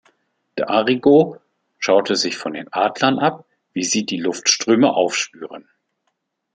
D’Arrigo schaute sich von den Adlern ab, wie sie die Luftströme aufspüren.